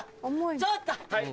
ちょっと！